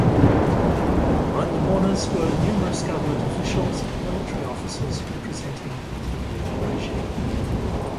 Among the mourners were numerous government officials and military officers representing the Pahlavi regime.